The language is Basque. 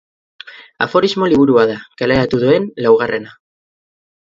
Aforismo liburua da, kaleratu duen laugarrena.